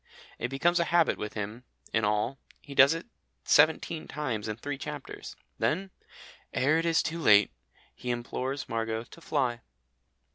It becomes a habit with him in all, he does it seventeen times in three chapters. Then, "ere it is too late," he implores Margot to fly.